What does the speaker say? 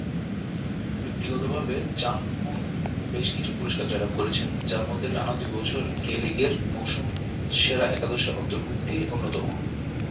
ব্যক্তিগতভাবে, চাং-হুন বেশ কিছু পুরস্কার জয়লাভ করেছেন, যার মধ্যে টানা দুই বছর কে লীগের মৌসুম সেরা একাদশে অন্তর্ভুক্তি অন্যতম।